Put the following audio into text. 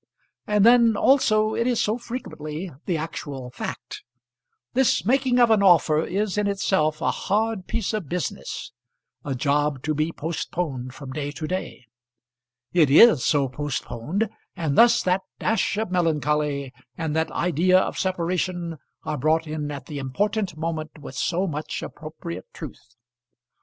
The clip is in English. And then, also, it is so frequently the actual fact. This making of an offer is in itself a hard piece of business, a job to be postponed from day to day. It is so postponed, and thus that dash of melancholy, and that idea of separation are brought in at the important moment with so much appropriate truth.